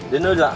đến nơi rồi ạ